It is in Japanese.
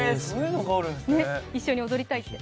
一緒に踊りたい。